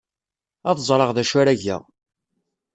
Ad ẓreɣ d acu ara geɣ.